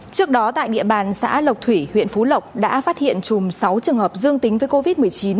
trước đó tại địa bàn xã lộc thủy huyện phú lộc đã phát hiện chùm sáu trường hợp dương tính với covid một mươi chín